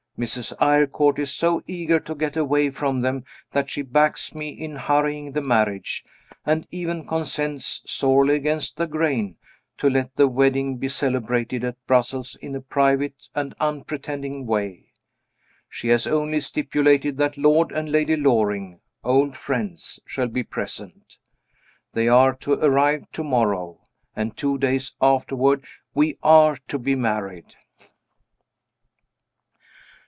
Mrs. Eyrecourt is so eager to get away from them that she backs me in hurrying the marriage, and even consents, sorely against the grain, to let the wedding be celebrated at Brussels in a private and unpretending way. She has only stipulated that Lord and Lady Loring (old friends) shall be present. They are to arrive tomorrow, and two days afterward we are to be married.